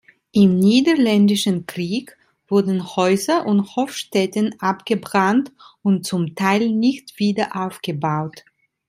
Im niederländischen Krieg wurden Häuser und Hofstätten abgebrannt und zum Teil nicht wieder aufgebaut.